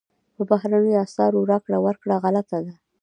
په بهرنیو اسعارو راکړه ورکړه غلطه ده.